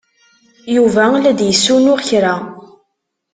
Yuba la d-yessunuɣ kra.